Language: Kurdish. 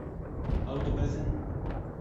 Ew dibezin.